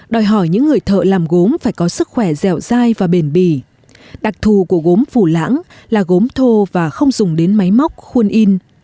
đặc thù của gốm phủ lãng là gốm thô và không dùng đến máy móc khuôn in